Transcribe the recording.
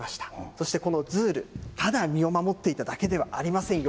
そしてこのズール、ただ身を守っていただけではありませんよ。